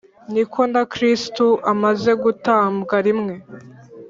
ni ko na Kristo amaze gutambwa rimwe